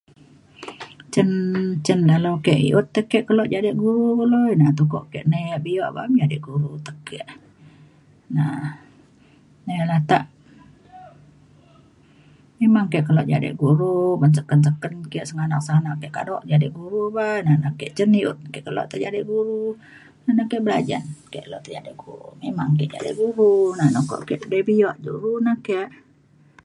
cen cen dalau ke i’ut te ke kelo jadi guru kulo ina tu kok nei kak bio jadi guru teke. na nai latak memang ke kelo jadek guru uban seken seken ke sengganak sengganak ke kado jadi guru bah ina na ke cen di’ut ake kelo jadek guru ina ke belajan ke jadek guru memang ke jadi guru na na ke abe bio jadek guru na ake